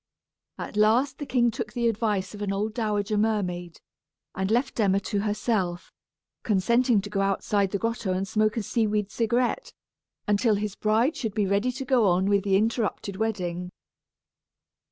At last the king took the advice of an old dowager mermaid, and left Emma to herself, consenting to go outside the grotto and smoke a seaweed cigarette, until his bride should be ready to go on with the interrupted wedding.